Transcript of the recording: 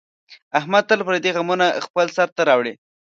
احمد تل پردي غمونه خپل سر ته راوړي.